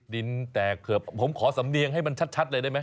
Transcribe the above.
ดินแตกเขือบผมขอสำเนียงให้มันชัดเลยได้ไหม